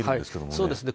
そうですね。